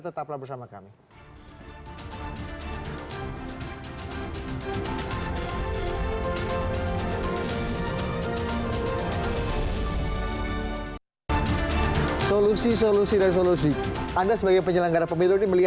tetaplah bersama kami